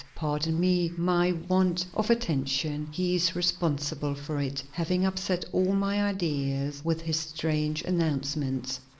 Pardon me my want of attention; he is responsible for it, having upset all my ideas with his strange announcements.